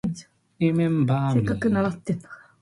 Bafig̃ht shakig̃hẽ rigẽl k̃hẽ alag alag go.